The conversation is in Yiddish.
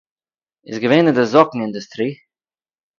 איז געווען אין דער זאָקן אינדוסטריע